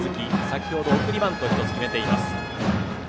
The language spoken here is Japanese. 先ほど送りバントを１つ決めています。